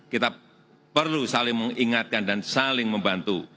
kita perlu saling mengingatkan dan saling membantu